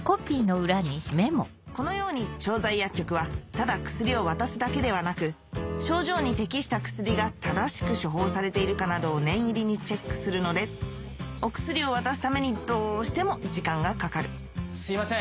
このように調剤薬局はただ薬を渡すだけではなく症状に適した薬が正しく処方されているかなどを念入りにチェックするのでお薬を渡すためにどうしても時間がかかるすいません。